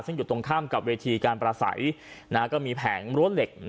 ซึ่งอยู่ตรงข้ามกับเวทีการประสัยก็มีแผงรั้วเหล็ก